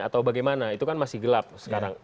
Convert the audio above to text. atau bagaimana itu kan masih gelap sekarang